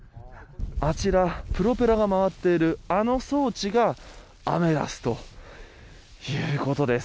プロペラが回っているあの装置がアメダスということです。